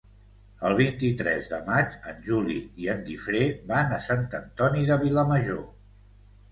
El vint-i-tres de maig en Juli i en Guifré van a Sant Antoni de Vilamajor.